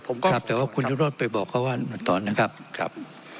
ผมครับแต่ว่าคุณวิโรธไปบอกเขาว่าเหมือนตอนนะครับครับ